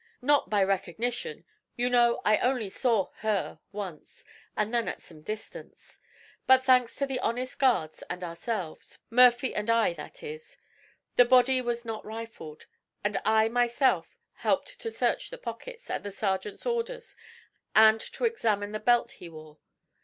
'Not by recognition; you know, I only saw "her" once and then at some distance, but thanks to the honest guards and ourselves Murphy and I, that is the body was not rifled, and I myself helped to search the pockets, at the sergeant's orders, and to examine the belt he wore.